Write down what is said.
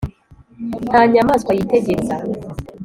nta nyamaswa yitegereza